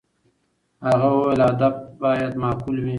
هغه وویل، هدف باید معقول وي.